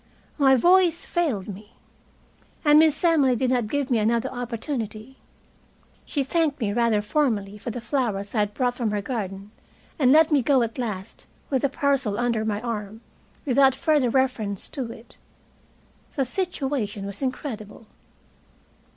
My voice failed me. And Miss Emily did not give me another opportunity. She thanked me rather formally for the flowers I had brought from her garden, and let me go at last with the parcel under my arm, without further reference to it. The situation was incredible.